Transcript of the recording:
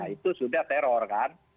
itu sudah teror kan